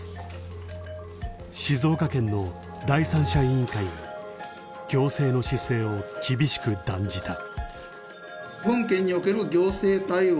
静岡県の第三者委員会が行政の姿勢を厳しく断じた。